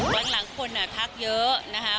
หลังคนพักเยอะนะคะ